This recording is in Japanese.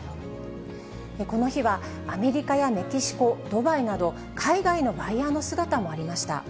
この日は、アメリカやメキシコ、ドバイなど、海外のバイヤーの姿もありました。